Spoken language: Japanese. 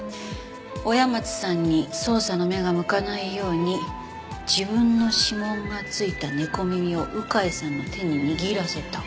親松さんに捜査の目が向かないように自分の指紋がついた猫耳を鵜飼さんの手に握らせた。